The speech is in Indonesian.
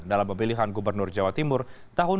dalam pilihan gubernur jawa timur tahun dua ribu delapan belas